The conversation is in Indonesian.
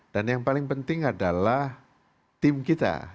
dan yang paling penting adalah tim kita